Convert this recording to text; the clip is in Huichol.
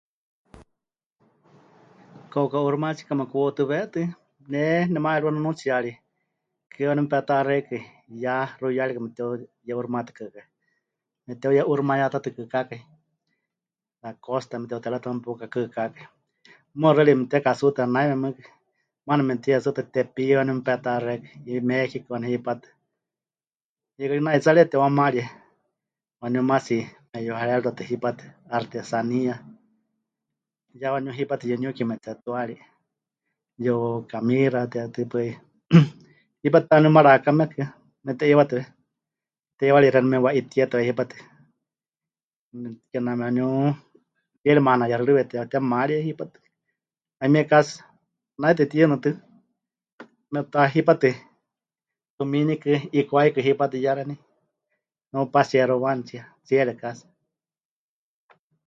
Kauka 'uuximayátsika mekuwautɨwetɨ, ne nema'eriwa nunuutsiyari hɨkɨ́a waníu mepeta'axékai ya xuiyarikɨ mepɨteuye'uuximayátatɨkɨkai, mepɨteuye'uuximayátatɨkɨkakai, la costa mete'uterɨwátɨ maana mepukakɨkákai, muuwa xɨari mepɨtekatsuutɨa naime mɨɨkɨ, maana memɨteyetsuutɨa Tepic waníu mepeta'axékai, y México waníu hipátɨ, hiikɨ ri naitsarie tepɨwamarie, waníu maatsi meyuharerutatɨ hipátɨ, artesanía, ya waníu hipátɨ yuniuki metetua ri, yukamixate tɨ 'ipaɨ 'í, hipátɨ ta waníu mara'aakamekɨ memɨte'iiwatɨwe, teiwarixi waníu mepɨwa'itietɨwe hipátɨ, kename waníu tsiere me'anayexɨrɨwe tepɨtemarie hipátɨ, 'ayumíe casi naitɨ tiyunɨtɨ́ mepɨta... hipátɨ tumiinikɨ, 'ikwaikɨ hipátɨ ya waníu meupasearuwamieni tsie... tsiere casi.